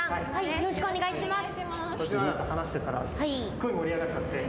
よろしくお願いします。